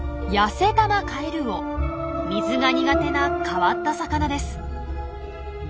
水が苦手な変わった魚です。